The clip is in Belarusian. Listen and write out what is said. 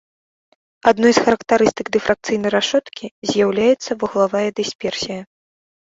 Адной з характарыстык дыфракцыйнай рашоткі з'яўляецца вуглавая дысперсія.